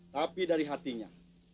tapi dari hatinya